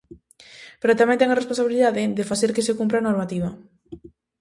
Pero tamén teñen a responsabilidade de facer que se cumpra a normativa.